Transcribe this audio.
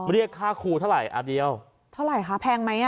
เรียกค่าครูเท่าไหร่อันเดียวเท่าไหร่คะแพงไหมอ่ะ